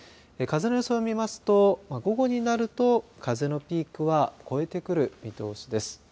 風の予想を見ますと午後になると風のピークは越えてくる見通しです。